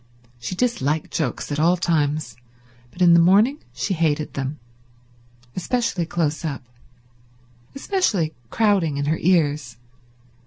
She disliked jokes at all times, but in the morning she hated them; especially close up; especially crowding in her ears.